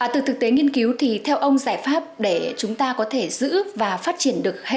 từ thực tế nghiên cứu thì theo ông giải pháp để chúng ta có thể giữ và phát triển được hết rừng mắm